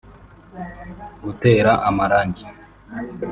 gutera amarangi